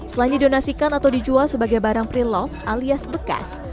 selain didonasikan atau dijual sebagai barang pre love alias bekas